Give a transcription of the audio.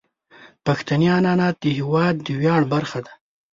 پښتني عنعنات د هیواد د ویاړ برخه دي.